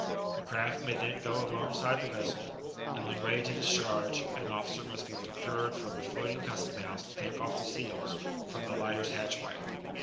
The craft may then go alongside the vessel; and when ready to discharge, an^ officer must be procured from the floating custom house to take off the seals from tiie lighter's hatchway.